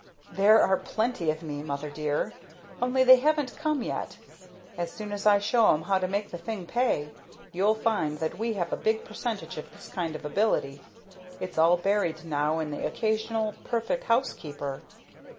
"There are plenty of me, mother dear, only they haven't come out. As soon as I show 'em how to make the thing pay, you'll find that we have a big percentage of this kind of ability. It's all buried now in the occasional 'perfect housekeeper.'